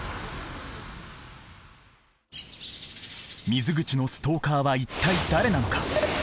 水口のストーカーは一体誰なのか？